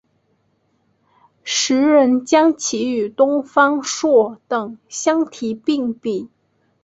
时人将其与东方朔等相提并比。